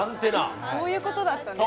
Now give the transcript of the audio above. そういうことだったんですね。